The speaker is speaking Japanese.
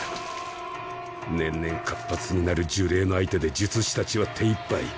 年々活発になる呪霊の相手で術師たちは手いっぱい。